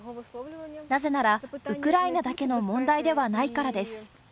なぜならウクライナだけの問題ではないからです。